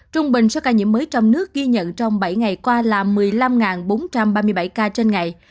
trung bình số ca nhiễm mới trong nước ghi nhận trong bảy ngày qua là một mươi năm bốn trăm ba mươi bảy ca trên ngày